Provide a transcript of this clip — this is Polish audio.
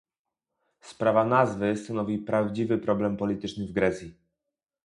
Sprawa nazwy stanowi prawdziwy problem polityczny w Grecji